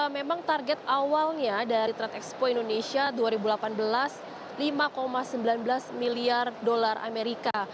memang target awalnya dari trade expo indonesia dua ribu delapan belas lima sembilan belas miliar dolar amerika